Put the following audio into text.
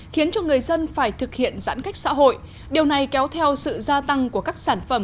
khiến cho người dân phải thực hiện giãn cách xã hội điều này kéo theo sự gia tăng của các sản phẩm